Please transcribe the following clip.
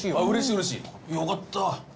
うれしいよかった。